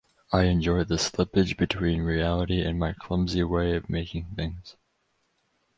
I enjoy the slippage between reality and my clumsy way of making things.